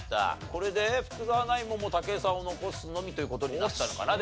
これで福澤ナインも武井さんを残すのみという事になったのかな。